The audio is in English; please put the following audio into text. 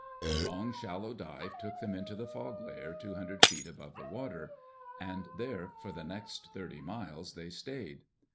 A long, shallow dive took them into the fog layer two hundred feet above the water. And there, for the next thirty miles, they stayed.